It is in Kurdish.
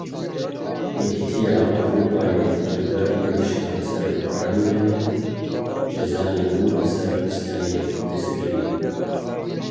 Yekîtiya Ewropayê ji ber êrişa ser Ukraynayê cezayên nû li ser Rûsyayê disepîne.